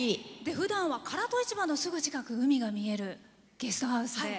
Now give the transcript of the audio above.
ふだんは唐戸市場の海が見えるゲストハウスで。